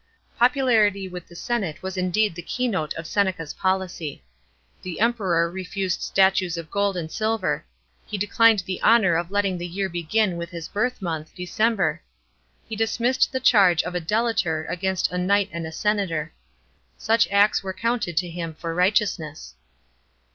Popularity with the senate was indeed the keynote of Seneca's policy. The Emperor refused statues of gold and silver; he declined the honour of letting the year begin with his birth month, December; he dismissed the charge of a delator against a knight and a senator. Such acts were counted to him for righteousness.